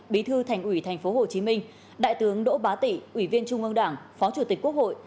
bí thư thành ủy tp hcm đại tướng đỗ bá tị ủy viên trung ương đảng phó chủ tịch quốc hội